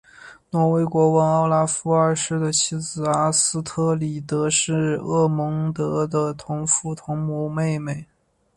挪威国王奥拉夫二世的妻子阿斯特里德是厄蒙德的同父同母妹妹。